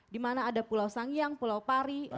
dimana ada pulau sangyang pulau pari